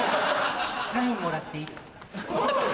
サインもらっていいですか？